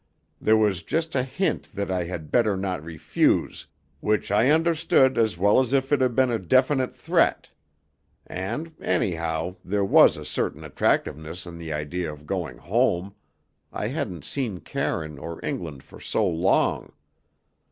There was just a hint that I had better not refuse, which I understood as well as if it had been a definite threat; and, anyhow, there was a certain attractiveness in the idea of going home I hadn't seen Karine or England for so long.